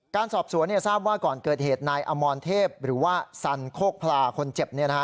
การสอบสวนทราบว่าก่อนเกิดเหตุนายอมรเทพหรือว่าสันโคกพลาคนเจ็บ